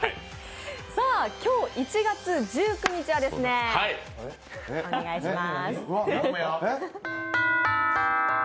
今日１月１９日はですねお願いします。